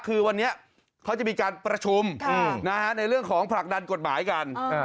คือวันนี้เขาจะมีการประชุมในเรื่องของผลักดันกฎหมายกัน